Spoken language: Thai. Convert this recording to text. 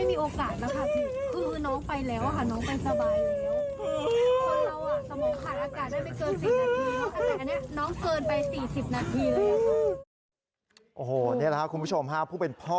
นี่แหละครับคุณผู้ชมฮะผู้เป็นพ่อ